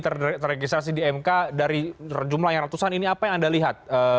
terregistrasi di mk dari jumlah yang ratusan ini apa yang anda lihat